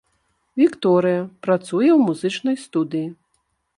Вікторыя, працуе ў музычнай студыі.